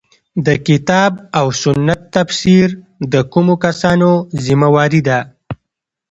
د کتاب او سنت تفسیر د کومو کسانو ذمه واري ده.